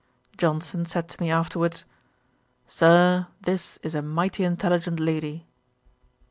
Johnson said to me afterwards, 'Sir, this is a mighty intelligent lady.'